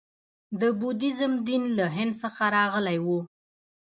د بودیزم دین له هند څخه راغلی و